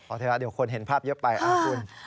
เถอะเดี๋ยวคนเห็นภาพเยอะไปคุณ